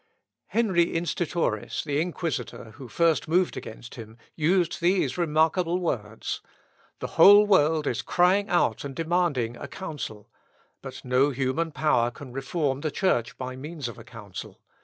Henry Institoris, the inquisitor, who first moved against him, used these remarkable words, "The whole world is crying out and demanding a council; but no human power can reform the Church by means of a Council.